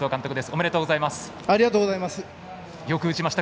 ありがとうございます。